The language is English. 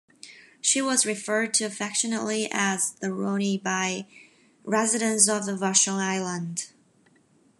She was referred to affectionately as "The Rhody" by residents of Vashon Island.